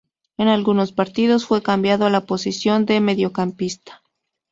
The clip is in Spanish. En algunos partidos fue cambiado a la posición de mediocampista.